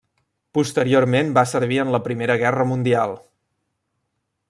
Posteriorment va servir en la Primera Guerra Mundial.